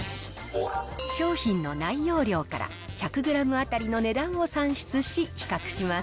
商品の内容量から、１００グラム当たりの値段を算出し、比較します。